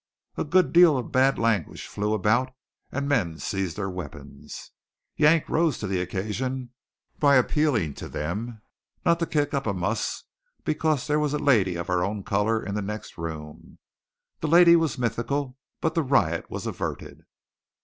A good deal of bad language flew about, and men seized their weapons. Yank rose to the occasion by appealing to them not "to kick up a muss," because there was "a lady of our own colour in the next room." The lady was mythical, but the riot was averted.